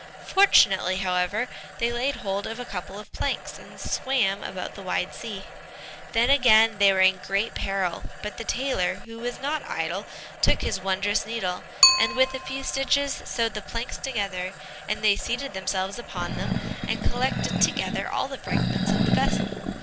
Fortunately, however, they laid hold of a couple of planks, and swam about the wide sea. Then again they were in great peril, but the tailor, who was not idle, took his wondrous needle, and with a few stitches sewed the planks together, and they seated themselves upon them, and collected together all the fragments of the vessel.